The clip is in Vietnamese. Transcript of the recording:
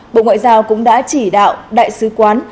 bộ ngoại giao cũng đã chỉ đạo đại sứ quán